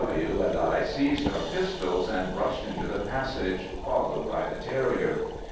W. and I seized our pistols, and rushed into the passage, followed by the terrier.